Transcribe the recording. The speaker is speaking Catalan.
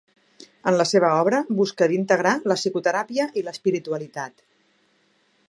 En la seva obra busca d'integrar la psicoteràpia i l'espiritualitat.